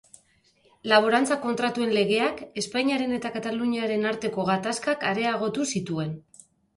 Laborantza Kontratuen Legeak Espainiaren eta Kataluniaren arteko gatazkak areagotu zituen.